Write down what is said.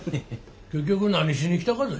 結局何しに来たがぜ？